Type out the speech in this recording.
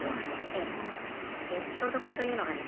で消毒というのがですね